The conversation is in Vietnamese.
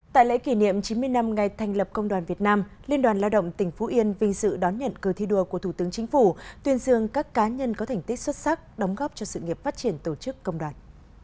tại lễ kỷ niệm chín mươi năm ngày thành lập công đoàn việt nam liên đoàn lao động tỉnh phú yên vinh dự đón nhận cơ thi đua của thủ tướng chính phủ tuyên dương các cá nhân có thành tích xuất sắc đóng góp cho sự nghiệp phát triển tổ chức công đoàn